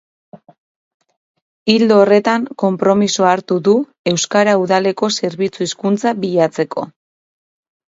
Ildo horretan konpromisoa hartu du euskara udaleko zerbitzu hizkuntza bilatzeko.